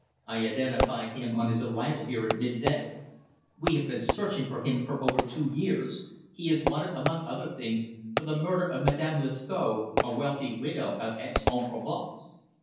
I identified him on his arrival here at midday." "We have been searching for him for over two years. He is wanted, among other things, for the murder of Madame Lescot, a wealthy widow of Aix en Provence."